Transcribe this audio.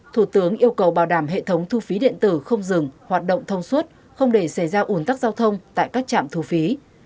thủ tướng yêu cầu bảo đảm hệ thống thu phí điện tử không dừng hoạt động thông suốt không để xảy ra ủn tắc giao thông tại các trạm thu phí